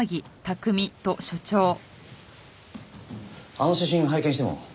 あの写真を拝見しても？